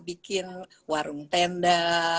bikin warung tenda